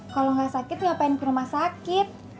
kalo gak sakit ngapain ke rumah sakit